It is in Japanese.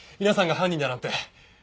皆さんが犯人だなんて。